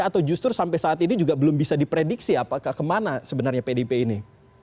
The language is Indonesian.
atau justru sampai saat ini juga belum bisa diprediksi apakah kemana sebenarnya pdip ini